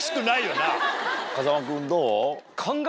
風間君どう？